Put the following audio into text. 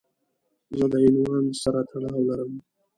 زه د عنوان سره تړاو لرم.